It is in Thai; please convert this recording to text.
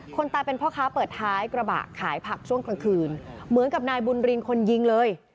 คนตายเป็นพ่อค้าเปิดท้ายกระบะขายผักช่วงกลางคืนเหมือนกับนายบุญรินคนยิงเลย